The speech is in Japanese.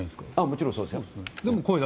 もちろん、そうです。